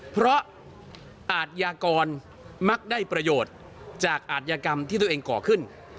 เพราะอาทยากรมักได้ประโยชน์จากอาทยากรรมที่ตัวเองก่อขึ้น